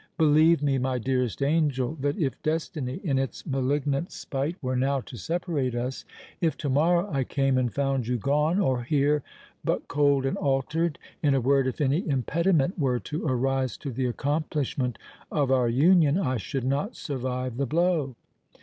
Believe me, my dearest angel, that if destiny, in its malignant spite, were now to separate us—if to morrow I came and found you gone, or here but cold and altered,—in a word, if any impediment were to arise to the accomplishment of our union, I should not survive the blow!